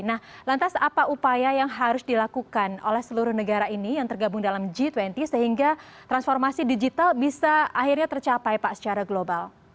nah lantas apa upaya yang harus dilakukan oleh seluruh negara ini yang tergabung dalam g dua puluh sehingga transformasi digital bisa akhirnya tercapai pak secara global